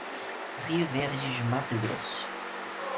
Rio Verde de Mato Grosso